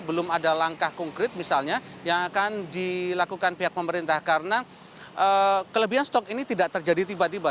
belum ada langkah konkret misalnya yang akan dilakukan pihak pemerintah karena kelebihan stok ini tidak terjadi tiba tiba